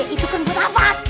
itu kan buta pas